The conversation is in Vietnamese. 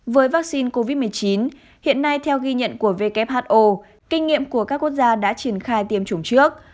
với vaccine covid một mươi chín hiện nay theo ghi nhận của who kinh nghiệm của các quốc gia đã triển khai tiêm chủng trước